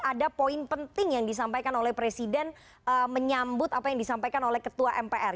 ada poin penting yang disampaikan oleh presiden menyambut apa yang disampaikan oleh ketua mpr